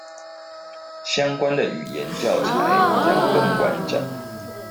相關的語言教材將更完整